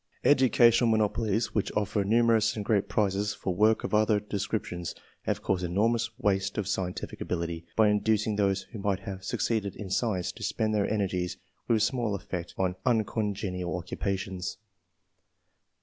Educational monopolies which offer numerous and great prizes for work of other descriptions, have caused enormous waste of scientific ability, by inducing those who might have succeeded in science, to spend their energies with small effect on uncongenial occupations.